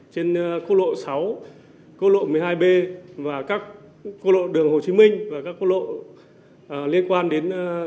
trên khu lộ sáu khu lộ một mươi hai b và các khu lộ đường hồ chí minh và các khu lộ liên quan đến địa bàn tỉnh hòa bình